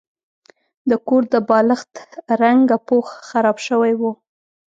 د کور د بالښت رنګه پوښ خراب شوی و.